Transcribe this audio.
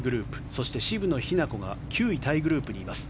そして渋野日向子が９位タイグループにいます。